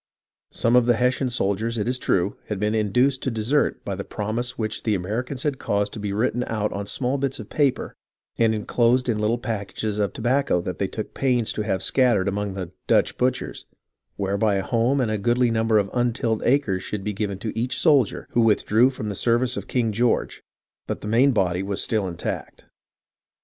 Some of the Hessian soldiers, it is true, had been induced to desert by the promise which the Americans had caused to be written out on small bits of paper and enclosed in little packages of tobacco that they took pains to have scattered among the " Dutch butchers," whereby a home and a goodly number of untilled acres should be given to each soldier who withdrew from the service of King George ; but the main body was still intact.